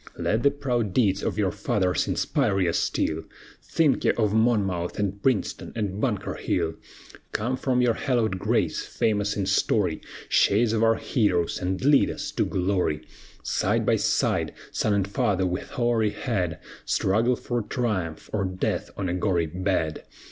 Let the proud deeds of your fathers inspire ye still, Think ye of Monmouth, and Princeton, and Bunker Hill, Come from your hallowed graves, famous in story, Shades of our heroes, and lead us to glory. Side by side, son and father with hoary head Struggle for triumph, or death on a gory bed.